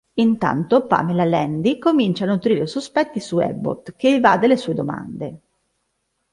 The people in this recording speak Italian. Intanto, Pamela Landy comincia a nutrire sospetti su Abbott, che evade le sue domande.